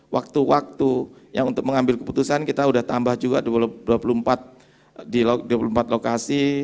waktu waktu yang untuk mengambil keputusan kita sudah tambah juga dua puluh empat lokasi